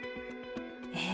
え？